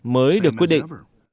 mới được quyết định